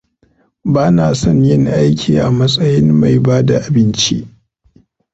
Bana son yin aiki a matsayin mai bada abinci.